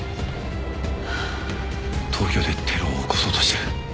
東京でテロを起こそうとしてる。